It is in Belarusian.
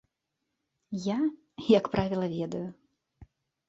Я, як правіла, ведаю.